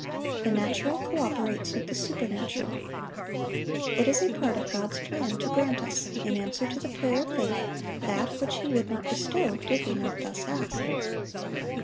The natural co operates with the supernatural. It is a part of God's plan to grant us, in answer to the prayer of faith, that which He would not bestow did we not thus ask.